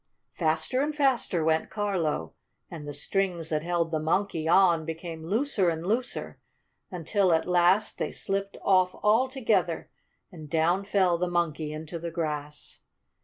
Faster and faster went Carlo, and the strings that held the Monkey on became looser and looser until, at last, they slipped off altogether, and down fell the Monkey into the grass.